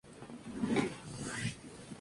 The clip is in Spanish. Se conserva en la biblioteca de Fulda.